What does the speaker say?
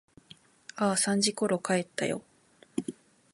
ああ、三時ころ帰ったよ。